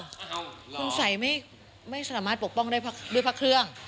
คุณสัยไม่สามารถปกป้องได้ด้วยพระเครื่อง